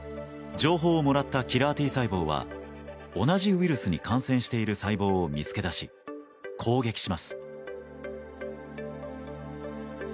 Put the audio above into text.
情報をもらったキラーＴ細胞は同じウイルスに感染している細胞を見つけ出し、攻撃します。